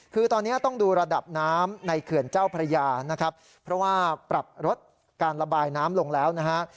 คือตอนนี้ต้องดูระดับน้ำในเขื่อนเจ้าพระยานะครับเพราะว่าปรับลดการระบายน้ำลงแล้วนะฮะ